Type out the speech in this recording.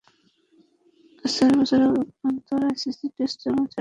চার বছর অন্তর আইসিসি টেস্ট চ্যালেঞ্জ আয়োজনের প্রস্তাবে সম্মতি দিয়েছে বোর্ড।